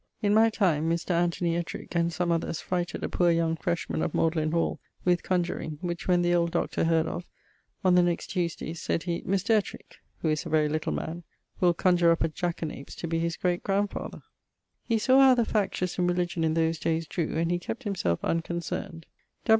In my time, Mr. Anthony Ettrick and some others frighted a poor young freshman of Magd. Hall with conjuring, which when the old Dr. heard of: on the next Tuesday, sayd he, 'Mr. Ettrick' who is a very little man 'will conjure up a jackanapes to be his great grand father.' He sawe how the factious in religion in those dayes drew, and he kept himselfe unconcerned.